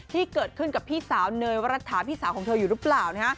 ที่เกิดขึ้นกับพี่สาวเนยวรัฐาพี่สาวของเธออยู่หรือเปล่า